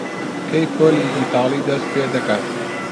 کەی پۆلی ئیتاڵی دەست پێ دەکات؟